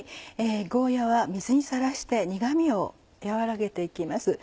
ゴーヤは水にさらして苦味を和らげて行きます。